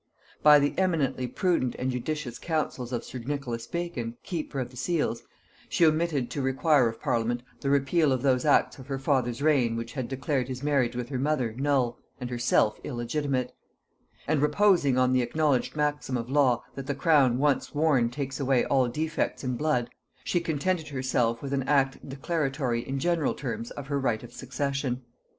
By the eminently prudent and judicious counsels of sir Nicholas Bacon keeper of the seals, she omitted to require of parliament the repeal of those acts of her father's reign which had declared his marriage with her mother null, and herself illegitimate; and reposing on the acknowledged maxim of law, that the crown once worn takes away all defects in blood, she contented herself with an act declaratory in general terms of her right of succession.